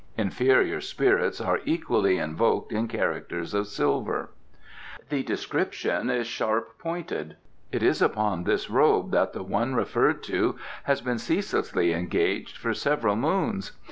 Inferior spirits are equally invoked in characters of silver." "The description is sharp pointed. It is upon this robe that the one referred to has been ceaselessly engaged for several moons.